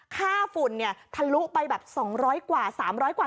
ฝุ่นเนี่ยทะลุไปแบบ๒๐๐กว่า๓๐๐กว่า